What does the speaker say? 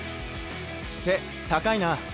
背高いな。